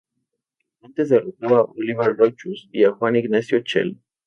Antes derrotó a Olivier Rochus y Juan Ignacio Chela.